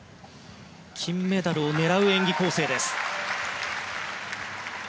金メダルを狙う演技構成です。